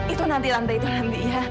itu nanti lantai itu nanti ya